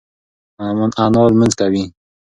انا لمونځ کوي.